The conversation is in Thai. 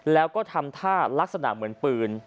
แล้วก็ทำท่ารักษณะเหมือนปืน